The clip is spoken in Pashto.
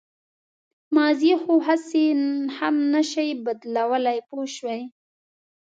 ماضي خو هسې هم نه شئ بدلولی پوه شوې!.